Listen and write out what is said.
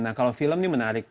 nah kalau film ini menarik